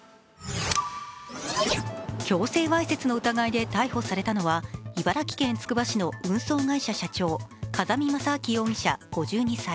強制わいせつの疑いで逮捕されたのは、茨城県つくば市の運送会社社長風見正明容疑者５２歳。